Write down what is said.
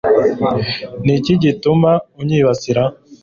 ni iki gituma unyibasira